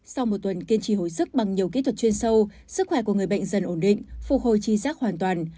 sau một tuần kiên trì hồi sức bằng nhiều kỹ thuật chuyên sâu sức khỏe của người bệnh dần ổn định phục hồi chi giác hoàn toàn